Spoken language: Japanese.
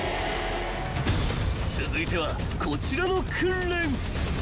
［続いてはこちらの訓練］